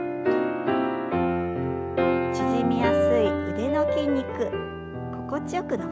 縮みやすい腕の筋肉心地よく伸ばしていきましょう。